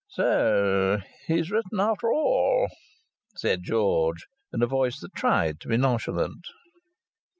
"So he has written after all!" said George, in a voice that tried to be nonchalant.